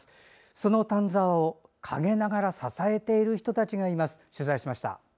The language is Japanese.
その丹沢を陰ながら支えている人たちがいます。